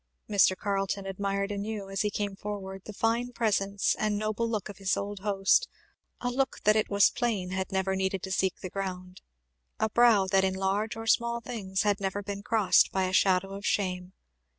Mr. Carleton admired anew, as he came forward, the fine presence and noble look of his old host; a look that it was plain had never needed to seek the ground; a brow that in large or small things had never been crossed by a shadow of shame.